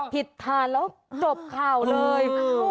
ทานแล้วจบข่าวเลย